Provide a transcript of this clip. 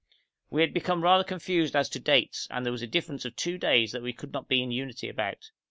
We had become rather confused as to dates, and there was a difference of two days that we could not be in unity about.